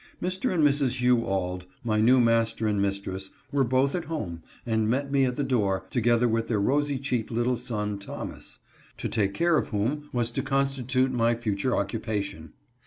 Mr. and Mrs. Hugh Auld, my new master and mistress, were both at home, and met me at the door, together with their rosy cheeked little son Thomas, to take care of whom was to constitute my future occupation.